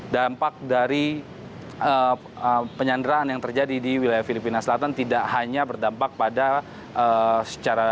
dampak dari penyanderaan yang terjadi di wilayah filipina selatan tidak hanya berdampak pada secara